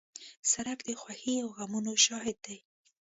سړک د خوښۍ او غمونو شاهد دی.